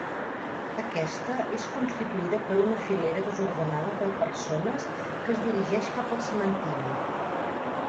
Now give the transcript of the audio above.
Aquesta és constituïda per una filera desordenada de persones que es dirigeix cap al cementiri.